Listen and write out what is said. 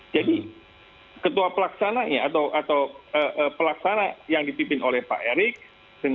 jadi ketua pelaksana atau pelaksana yang ditipin oleh pak erick